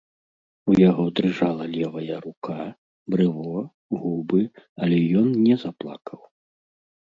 У яго дрыжала левая рука, брыво, губы, але ён не заплакаў.